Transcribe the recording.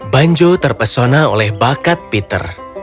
banjo terpesona oleh bakat peter